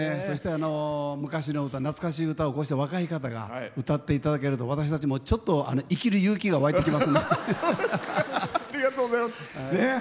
そして昔の歌懐かしい歌をこうして若い方が歌って頂けると私たちもちょっと生きる勇気がわいてきますね。